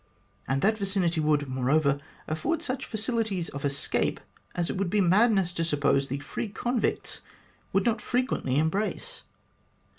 And that vicinity would, moreover, afford such facilities of escape as it would be madness to suppose the free convicts would not frequently embrace.